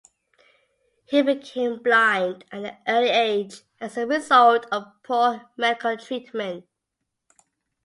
He became blind at an early age as a result of poor medical treatment.